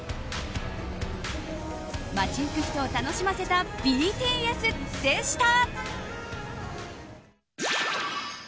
街行く人を楽しませたＢＴＳでした。